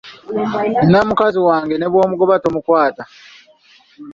Nnina mukazi wange ne bw'omugoba tomukwata.